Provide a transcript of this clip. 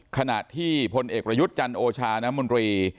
ขนาดที่พลเอกประยุทธ์จันโอชานมรี